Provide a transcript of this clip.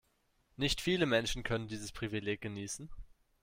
Nicht viele Menschen können dieses Privileg genießen.